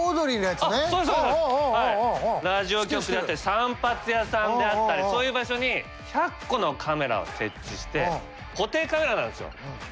散髪屋さんであったりそういう場所に１００個のカメラを設置して固定カメラなんですよ。